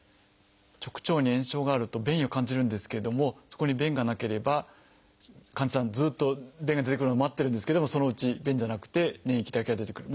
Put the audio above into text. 直腸に炎症があると便意を感じるんですけれどもそこに便がなければ患者さんずっと便が出てくるのを待ってるんですけどもそのうち便じゃなくて粘液だけが出てくる。